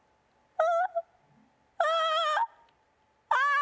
あ！